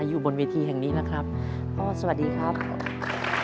ก็คืออีกวิธีหนึ่งที่พวกเขาจะพาครอบครัวมาใช้โอกาสแก้วิกฤตในชีวิตด้วยกัน